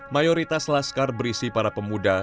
mayoritas laskar berisi para pemuda